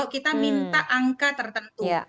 kita minta angka tertentu